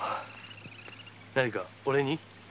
何か俺に？